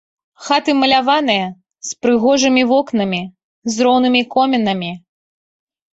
Хаты маляваныя, з прыгожымі вокнамі, з роўнымі комінамі.